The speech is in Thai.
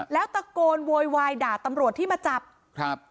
แล้วตะโกนโวยวายด่าตำรวจที่มาจับครับ